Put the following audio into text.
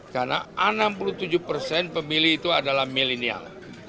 karena enam puluh tujuh persen pemilih itu adalah milenial